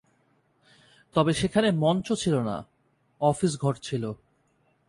তবে সেখানে মঞ্চ ছিল না, অফিস ঘর ছিল।